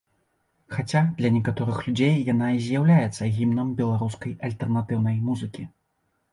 Хаця, для некаторых людзей яна і з'яўляецца гімнам беларускай альтэрнатыўнай музыкі.